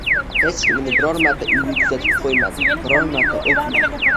Hech kim uni biror marta uyiga kuzatib qoʻymadi, biror marta oʻpmadi